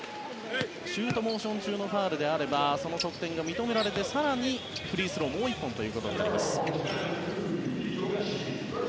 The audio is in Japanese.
シュートモーション中のファウルであれば、その得点が認められて、更にフリースローがもう１本となります。